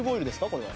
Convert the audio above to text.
これは。